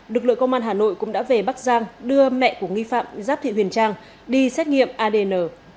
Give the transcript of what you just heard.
lực lượng công an hà nội cũng đã về bắc giang đưa mẹ của nghi phạm giáp thị huyền trang đi xét nghiệm adn